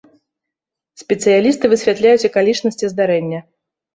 Спецыялісты высвятляюць акалічнасці здарэння.